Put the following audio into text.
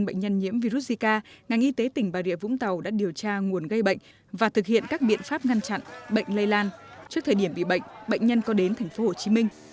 trong bệnh nhân nhiễm virus zika ngành y tế tỉnh bà rịa vũng tàu đã điều tra nguồn gây bệnh và thực hiện các biện pháp ngăn chặn bệnh lây lan trước thời điểm bị bệnh bệnh nhân có đến thành phố hồ chí minh